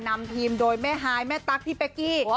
นำทีมโดยแม่ฮายแม่ตั๊กพี่เป๊กกี้